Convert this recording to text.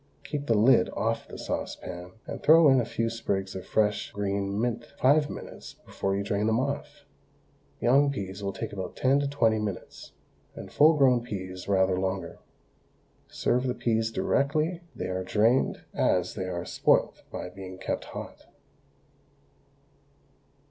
Keep the lid off the saucepan and throw in a few sprigs of fresh green mint five minutes before you drain them off. Young peas will take about ten to twenty minutes, and full grown peas rather longer. Serve the peas directly they are drained, as they are spoilt by being kept hot.